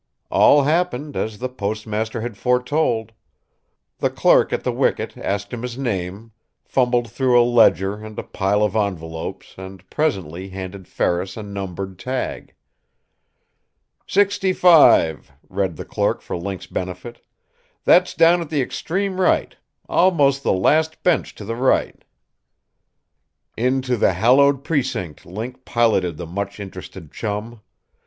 All happened as the postmaster had foretold. The clerk at the wicket asked him his name, fumbled through a ledger and a pile of envelopes and presently handed Ferris a numbered tag. "Sixty five," read the clerk for Link's benefit. "That's down at the extreme right. Almost the last bench to the right." Into the hallowed precinct Link piloted the much interested Chum.